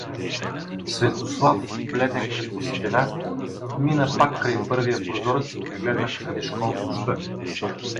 Светослав, бледен като стена, мина пак край първия прозорец и погледна крадешком в нощта.